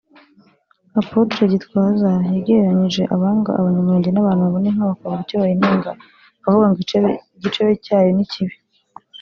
Apotre Gitwaza yagereranije abanga abanyamulenge n'abantu babona inka bakabura icyo bayinenga bakavuga ngo 'Igicebe cyayo ni kibi'